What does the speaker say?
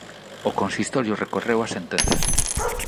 O consistorio recorreu a sentenza.